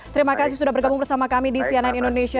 terima kasih sudah bergabung bersama kami di cnn indonesia